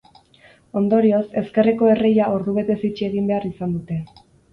Ondorioz, ezkerreko erreia ordubetez itxi egin behar izan dute.